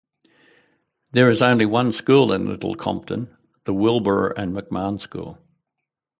There is only one school in Little Compton, the Wilbur and McMahon school.